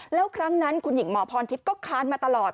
แล้วครั้งนั้นคุณหญิงหมอพรทิพย์ก็ค้านมาตลอด